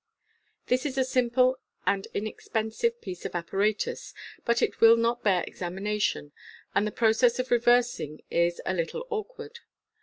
. This is a simple and inexpensive piece of apparatus, but it will not bear examination, and the process of reversing is a little awkward.